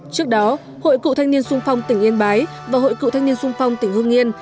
trước đó hội cựu thanh niên sung phong tỉnh yên bái và hội cựu thanh niên sung phong tỉnh hương yên